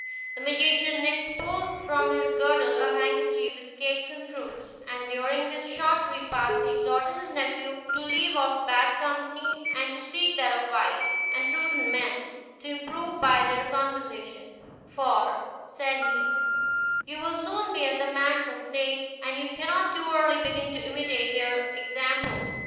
The magician next pulled from his girdle a handkerchief with cakes and fruit, and during this short repast he exhorted his nephew to leave off bad company, and to seek that of wise and prudent men, to improve by their conversation; "for," said he, "you will soon be at man's estate, and you cannot too early begin to imitate their example."